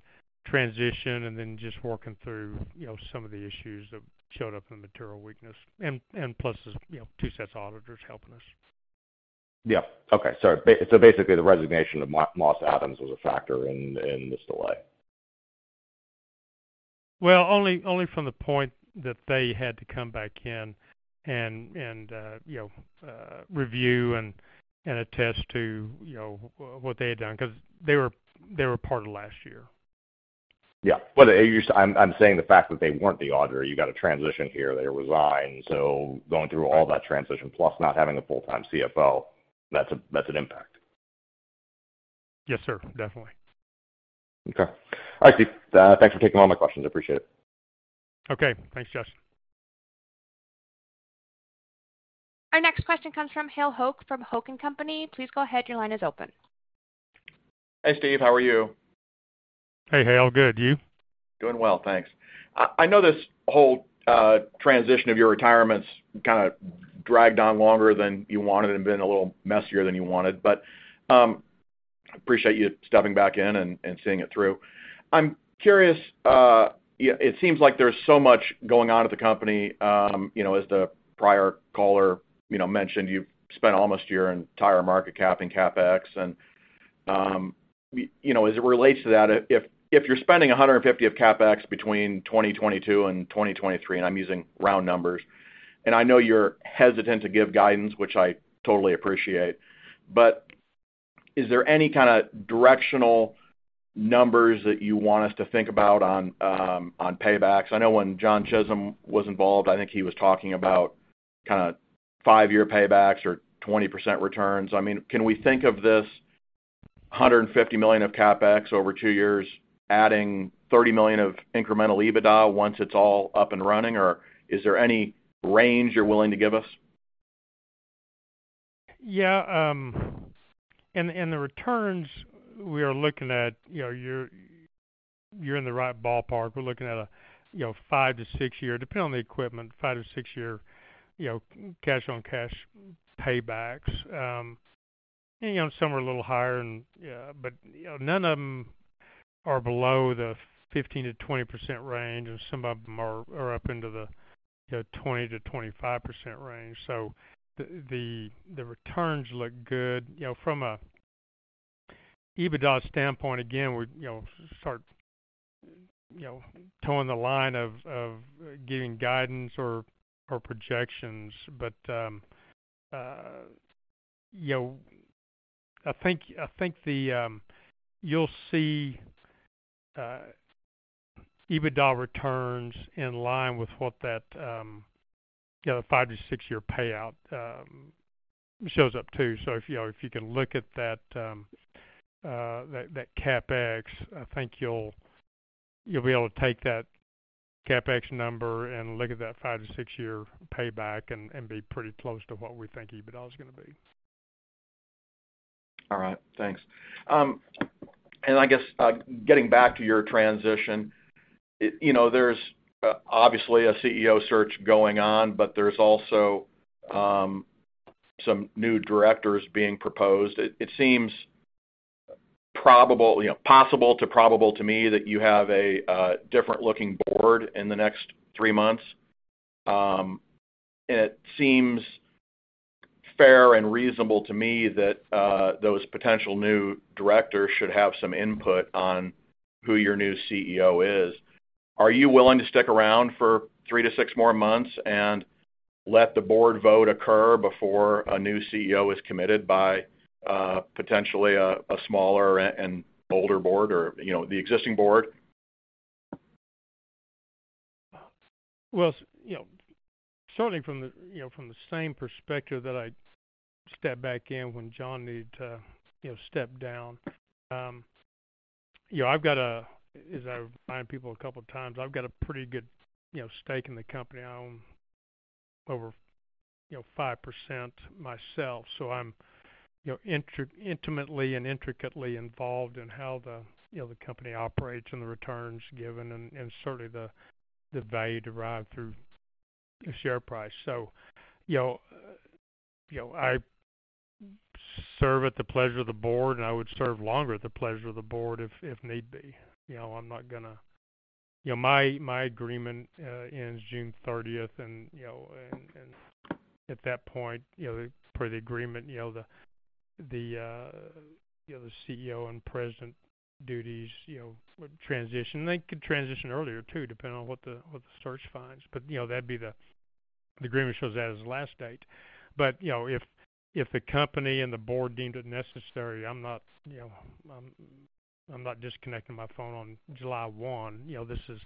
transition and then just working through, you know, some of the issues that showed up in material weakness and plus this, you know, two sets of auditors helping us. Yeah. Okay. basically, the resignation of Moss Adams was a factor in this delay. Well, only from the point that they had to come back in and, you know, review and attest to, you know, what they had done because they were part of last year. Yeah. I'm saying the fact that they weren't the auditor, you got a transition here. They resigned. Going through all that transition plus not having a full-time CFO, that's an impact. Yes, sir. Definitely. Okay. All right, Steve. thanks for taking all my questions. I appreciate it. Okay. Thanks, Justin. Our next question comes from J. Hale Hoak from Hoak & Co. Please go ahead. Your line is open. Hey, Steve. How are you? Hey, Hale. Good. You? Doing well, thanks. I know this whole, kind of dragged on longer than you wanted and been a little messier than you wanted. Appreciate you stepping back in and seeing it through. I'm curious, it seems like there's so much going on at the company. You know, as the prior caller, you know, mentioned, you've spent almost your entire market cap in CapEx. You know, as it relates to that, if you're spending $150 of CapEx between 2022 and 2023, and I'm using round numbers, and I know you're hesitant to give guidance, which I totally appreciate, but is there any kind of directional numbers that you want us to think about on paybacks? I know when John Chisholm was involved, I think he was talking about kind of five-year paybacks or 20% returns. I mean, can we think of this $150 million of CapEx over two years adding $30 million of incremental EBITDA once it's all up and running? Or is there any range you're willing to give us? Yeah. In, in the returns we are looking at, you know, you're in the right ballpark. We're looking at a, you know, five to six year, depending on the equipment, five to six year, you know, cash-on-cash paybacks. You know, some are a little higher and, but, you know, none of them are below the 15%-20% range, and some of them are up into the 20%-25% range. The returns look good. You know, from a EBITDA standpoint, again, we're, you know, sort, you know, towing the line of giving guidance or projections. You know, I think the, you'll see EBITDA returns in line with what that, you know, five to six year payout shows up too. If, you know, if you can look at that CapEx, I think you'll be able to take that CapEx number and look at that five to six year payback and be pretty close to what we think EBITDA is gonna be. All right. Thanks. I guess, getting back to your transition, you know, there's obviously a CEO search going on, but there's also some new directors being proposed. It seems probable, you know, possible to probable to me that you have a different looking board in the next three months. It seems fair and reasonable to me that those potential new directors should have some input on who your new CEO is. Are you willing to stick around for three to six more months and let the board vote occur before a new CEO is committed by potentially a smaller and older board or, you know, the existing board? Well, you know, certainly from the, you know, from the same perspective that I stepped back in when John needed to, you know, step down. As I remind people a couple times, I've got a pretty good, you know, stake in the company. I own over, you know, 5% myself, so I'm intimately and intricately involved in how the, you know, the company operates and the returns given and certainly the value derived through the share price. You know, you know, I serve at the pleasure of the board, and I would serve longer at the pleasure of the board if need be. You know, I'm not gonna... You know, my agreement ends June 30th. At that point, you know, per the agreement, you know, the CEO and President duties, you know, would transition. They could transition earlier, too, depending on what the search finds. You know. The agreement shows that as the last date. You know, if the company and the board deemed it necessary, I'm not, you know, I'm not disconnecting my phone on July 1st. You know, this is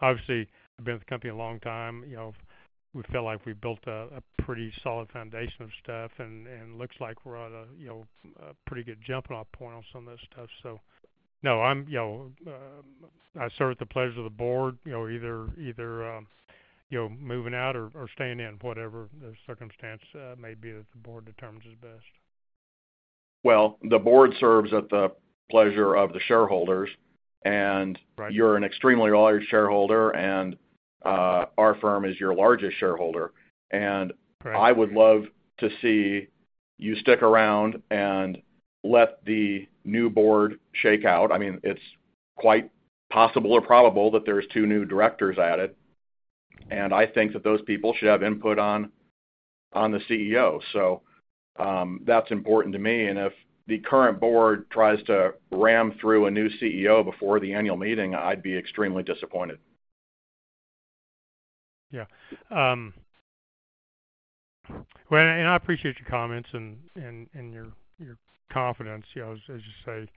obviously been with the company a long time. You know, we feel like we built a pretty solid foundation of stuff and looks like we're at a, you know, a pretty good jumping off point on some of that stuff. No. I'm, you know, I serve at the pleasure of the board, you know, either, you know, moving out or staying in, whatever the circumstance may be that the board determines is best. Well, the board serves at the pleasure of the shareholders. Right. you're an extremely large shareholder, and, our firm is your largest shareholder. Right. I would love to see you stick around and let the new board shake out. I mean, it's quite possible or probable that there's two new directors at it, and I think that those people should have input on the CEO. That's important to me, and if the current board tries to ram through a new CEO before the annual meeting, I'd be extremely disappointed. Well, I appreciate your comments and, and your confidence. You know, as you say,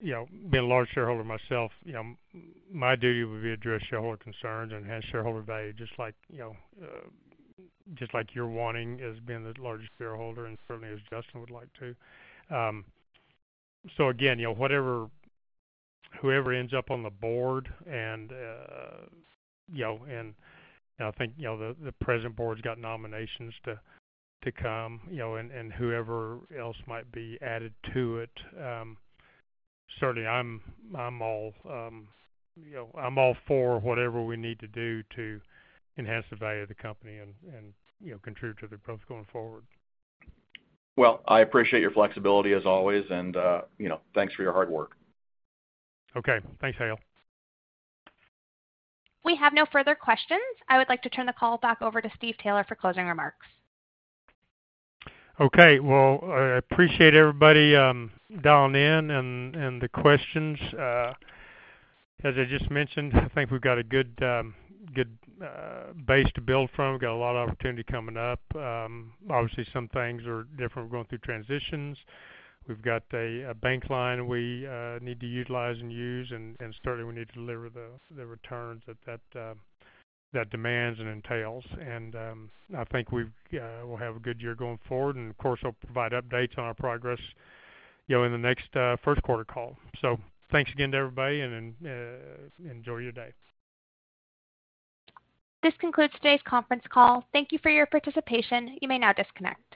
you know, being a large shareholder myself, you know, my duty would be to address shareholder concerns and enhance shareholder value, just like, you know, just like you're wanting as being the largest shareholder and certainly as Justin would like, too. Again, you know, whoever ends up on the board and, you know, and I think, you know, the present board's got nominations to come, you know, and whoever else might be added to it. Certainly, I'm all, you know, I'm all for whatever we need to do to enhance the value of the company and, you know, contribute to the growth going forward. Well, I appreciate your flexibility as always, and, you know, thanks for your hard work. Okay. Thanks, Hale. We have no further questions. I would like to turn the call back over to Steve Taylor for closing remarks. Okay. Well, I appreciate everybody, dialing in and the questions. As I just mentioned, I think we've got a good, base to build from. We've got a lot of opportunity coming up. Obviously, some things are different. We're going through transitions. We've got a bank line we need to utilize and use, and certainly we need to deliver the returns that demands and entails. I think we'll have a good year going forward and, of course, we'll provide updates on our progress, you know, in the next, first quarter call. Thanks again to everybody and enjoy your day. This concludes today's conference call. Thank you for your participation. You may now disconnect.